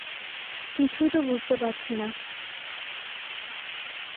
কিছুই তো বুঝতে পারছি না।